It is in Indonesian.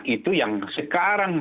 itu yang sekarang